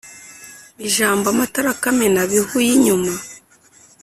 Ijambo "amatara kamena-bihu y'inyuma"